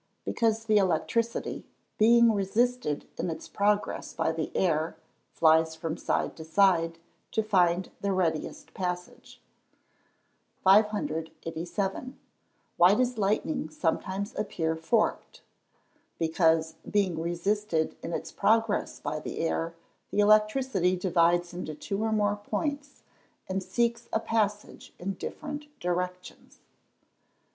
_ Because the electricity, being resisted in its progress by the air, flies from side to side, to find the readiest passage. 587. Why does lightning sometimes appear forked? Because, being resisted in its progress by the air, the electricity divides into two or more points, and seeks a passage in different directions.